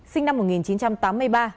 sinh năm một nghìn chín trăm tám mươi ba